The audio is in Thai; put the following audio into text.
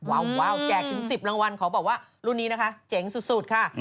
ว้าวแจกถึง๑๐รางวัลขอบอกว่ารุ่นนี้นะคะเจ๋งสุดค่ะ